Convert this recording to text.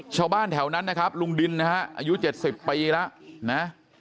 ชาวบ้านแถวนั้นนะครับลุงดินนะฮะอายุ๗๐ปีแล้วนะ